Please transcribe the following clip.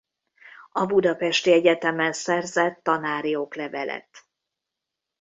A budapesti egyetemen szerzett tanári oklevelet.